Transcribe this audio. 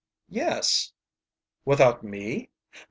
"Yes." "Without me?